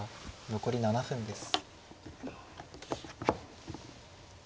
残り７分です。